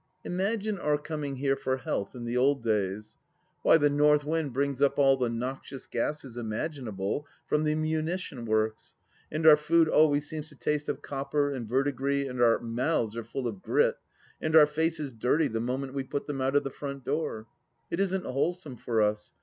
... Imagine our coming here for health in the old days ! Why, the north wind brings up all the noxious gases imaginable from the Munition Works, and our food always seems to taste of copper and verdigris and our mouths are full of grit and our faces dirty the moment we put them out of the front door. It isn't wholesome for us.